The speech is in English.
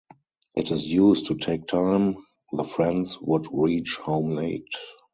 As it used to take time, the friends would reach home late.